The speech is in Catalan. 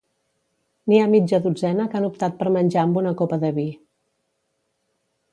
N'hi ha mitja dotzena que han optat per menjar amb una copa de vi.